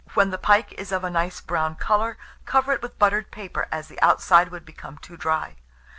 When the pike is of a nice brown colour, cover it with buttered paper, as the outside would become too dry.